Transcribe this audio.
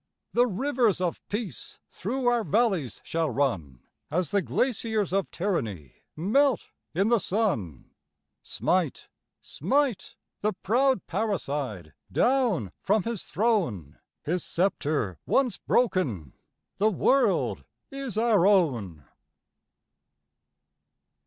The rivers of peace through our valleys shall run, As the glaciers of tyranny melt in the sun; Smite, smite the proud parricide down from his throne, His sceptre once broken, the world is our own!